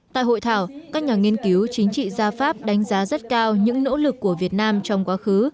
tại hội thảo các nhà nghiên cứu chính trị gia pháp đánh giá rất cao những nỗ lực của việt nam trong quá khứ